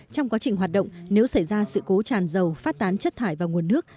trong quá trình hoạt động nếu xảy ra sự cố tràn dầu phát tán chất thải và nguồn nước